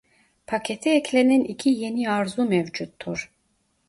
Pakete eklenen iki yeni arzu mevcuttur.